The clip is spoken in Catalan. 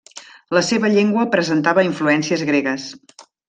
La seva llengua presentava influències gregues.